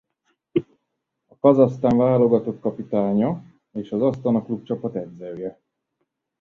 A Kazahsztán válogatott kapitánya és az Asztana klubcsapat edzője.